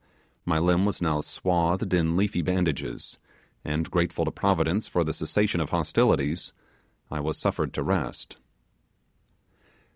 My limb was now swathed in leafy bandages, and grateful to Providence for the cessation of hostilities, I was suffered to rest.